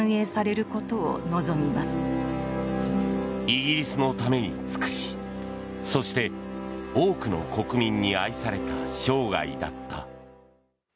イギリスのために尽くしそして多くの国民に愛された生涯だった。